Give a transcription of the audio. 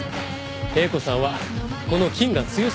英子さんはこの「謹」が強すぎる。